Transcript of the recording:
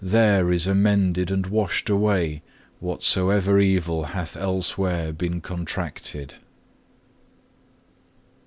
There is amended and washed away whatsoever evil hath elsewhere been contracted.